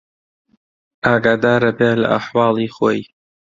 ئاگادار ئەبێ لە ئەحواڵی خۆی